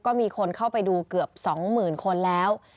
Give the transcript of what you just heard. ก็มีคนเข้าไปดูเกือบ๒๐๐๐คนแล้ว